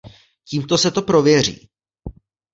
Tímto se to prověří.